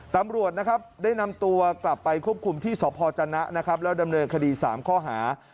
ตำรวจได้นำตัวกลับไปควบคุมที่สจนะแล้วดำเนินคดี๓ข้อหา